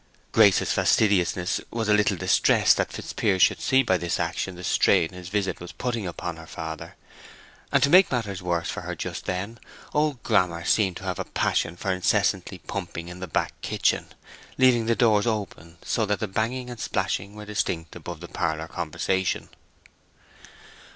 Grace's fastidiousness was a little distressed that Fitzpiers should see by this action the strain his visit was putting upon her father; and to make matters worse for her just then, old Grammer seemed to have a passion for incessantly pumping in the back kitchen, leaving the doors open so that the banging and splashing were distinct above the parlor conversation.